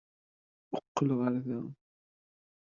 Qqel ɣel da.